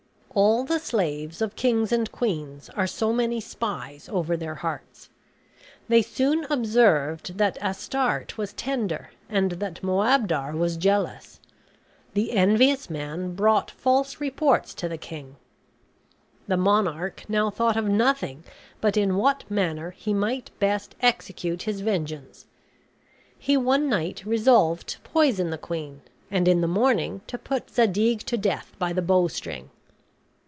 All the slaves of kings and queens are so many spies over their hearts. They soon observed that Astarte was tender and that Moabdar was jealous. The envious man brought false report to the king. The monarch now thought of nothing but in what manner he might best execute his vengeance. He one night resolved to poison the queen and in the morning to put Zadig to death by the bowstring.